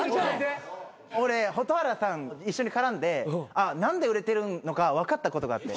俺蛍原さん一緒に絡んで何で売れてるのか分かったことがあって。